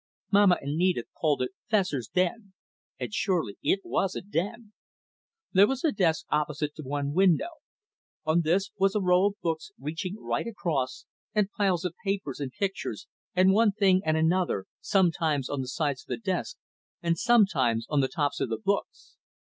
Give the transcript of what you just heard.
Mamma and Edith called it Fessor's "den," and surely it was a den. There was a desk opposite to one window. On this was a row of books reaching right across, and piles of papers, and pictures, and one thing and another, sometimes on the sides of the desk, and sometimes on the tops of the books.